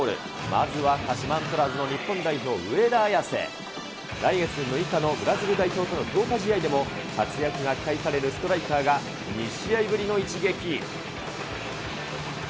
まずは鹿島アントラーズの日本代表、上田綺世、来月６日のブラジル代表との強化試合でも活躍が期待されるストライカーが２試合ぶりの一撃。